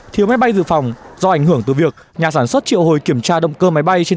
thiếu máy bay dự phòng do ảnh hưởng từ việc nhà sản xuất triệu hồi kiểm tra động cơ máy bay trên